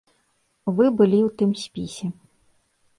Вы былі ў тым спісе.